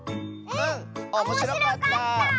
うんおもしろかった！